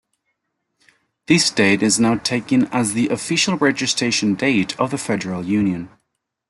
This date is now taken as the official registration date of the Federal Union.